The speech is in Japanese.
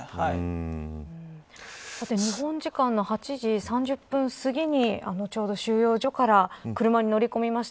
さて日本時間の８時３０分すぎにちょうど収容所から車に乗り込みました。